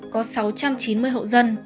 có sáu trăm chín mươi hậu dân